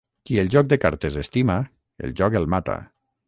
Qui el joc de cartes estima, el joc el mata.